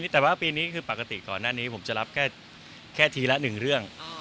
แต่ว่าปีนี้คือปกติก่อนหน้านี้ผมจะรับแค่ทีละ๑เรื่อง